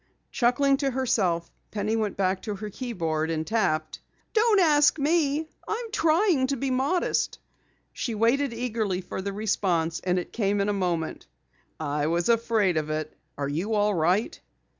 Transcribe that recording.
Chuckling to herself, Penny went back to her keyboard and tapped: "DON'T ASK ME. I'M TRYING TO BE MODEST." She waited eagerly for the response and it came in a moment. "I WAS AFRAID OF IT. ARE YOU ALL RIGHT?"